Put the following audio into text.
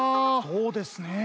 そうですねえ。